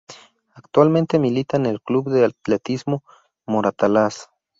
Actualmente milita en el Club de Atletismo Moratalaz.